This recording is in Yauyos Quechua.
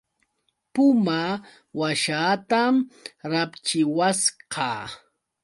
Puma washaatam rapchiwasqa.